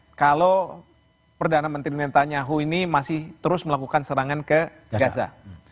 nah kalau perdana menteri mentanyahu ini masih terus melakukan serangan ke gaza